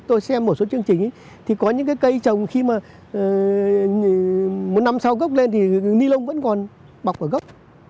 tôi xem một số chương trình thì có những cái cây trồng khi mà một năm sau cốc lên thì ni lông vẫn còn bọc ở gốc